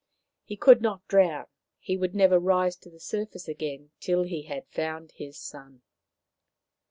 He could not drown ; he would never rise to the surface again till he had found his son.